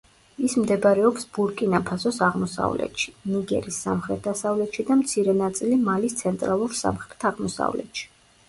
ის მდებარეობს ბურკინა-ფასოს აღმოსავლეთში, ნიგერის სამხრეთ-დასავლეთში და მცირე ნაწილი მალის ცენტრალურ სამხრეთ-აღმოსავლეთში.